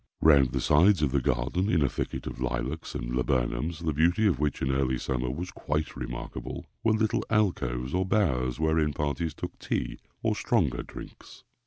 Round the sides of the garden, in a thicket of lilacs and laburnums, the beauty of which, in early summer, was quite remarkable, were little alcoves or bowers wherein parties took tea or stronger drinks.